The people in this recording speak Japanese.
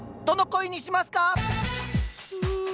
どの恋にしますか？